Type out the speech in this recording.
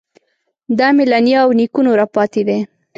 دا مې له نیا او نیکونو راپاتې دی.